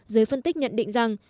giới phân tích nhận định rằng